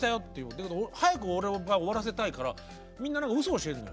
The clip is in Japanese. だけど早く俺は終わらせたいからみんなうそを教えるのよ。